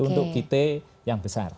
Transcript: itu untuk kit yang besar